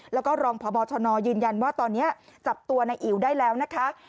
แล้วก็รองพบชนยืนยันว่าตอนนี้จับตัวในอิ๋วได้แล้วนะคะ